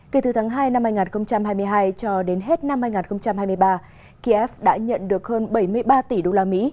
kể từ tháng hai năm hai nghìn hai mươi hai cho đến hết năm hai nghìn hai mươi ba kiev đã nhận được hơn bảy mươi ba tỷ usd